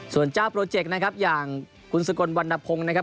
ส่วนเจ้าโปรเจกต์นะครับอย่างคุณสกลวันนพงศ์นะครับ